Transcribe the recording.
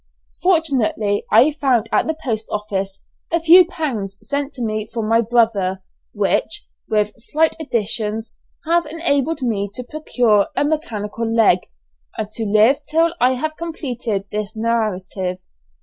Fortunately I found at the post office a few pounds sent to me from my brother, which, with slight additions, have enabled me to procure a mechanical leg, and to live till I have completed this narrative.